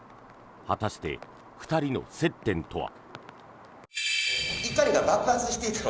果たして、２人の接点とは。